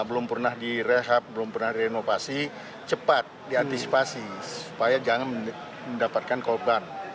belum pernah direhab belum pernah direnovasi cepat diantisipasi supaya jangan mendapatkan korban